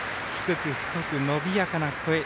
低く、太く、伸びやかな声。